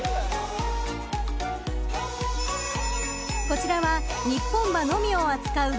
［こちらは日本馬のみを扱う］